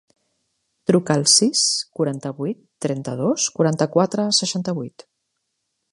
Truca al sis, quaranta-vuit, trenta-dos, quaranta-quatre, seixanta-vuit.